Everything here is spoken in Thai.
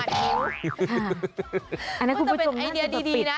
อันนี้คุณผู้ชมน่าจะประปิดคือจะเป็นไอเดียดีนะ